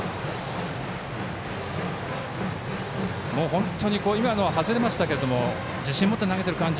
本当に今のは外れましたが自信持って投げている感じ